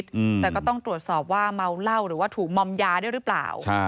แต่ก็ต้องตรวจสอบว่าเมาเหล้าหรือว่าถูมมยาได้หรือเปล่า